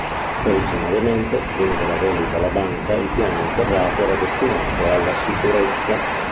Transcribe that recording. Originariamente, prima della vendita alla banca il piano interrato era destinato alla sicurezza.